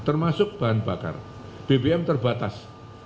termasuk bahan bakar bbm terbatas